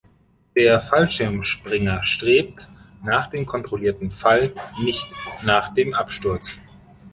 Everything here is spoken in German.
Der Fallschirmspringer strebt nach dem kontrollierten Fall, nicht nach dem Absturz.